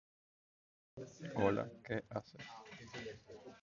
But at least he isn't transformed into a vampire.